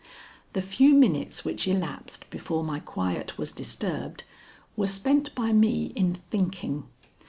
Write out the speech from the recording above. The few minutes which elapsed before my quiet was disturbed were spent by me in thinking.